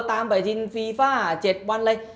ตามใบทินฟีฟ่า๗วันเลย